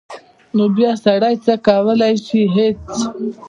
نو بیا سړی څه کولی شي هېڅ.